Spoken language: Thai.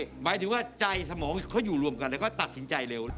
หมายถึงว่าใจสมองเขาอยู่รวมกันแล้วก็ตัดสินใจเร็ว